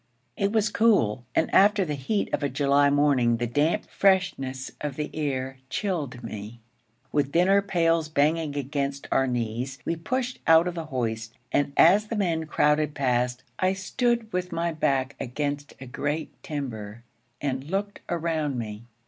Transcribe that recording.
It was cool, and after the heat of a July morning, the damp freshness of the air chilled me. With dinner pails banging against our knees, we pushed out of the hoist; and as the men crowded past, I stood with my back against a great timber and looked around me.